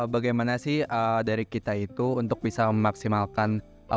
bagaimana sih dari kita itu untuk bisa memaksimalkan keputusan yang harus kita lakukan